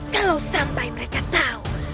kalau sampai mereka tahu